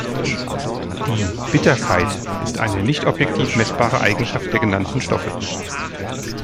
Die „Bitterkeit“ ist eine nicht objektiv messbare Eigenschaft der genannten Stoffe.